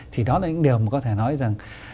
thì đó là những điều mà có thể nói rằng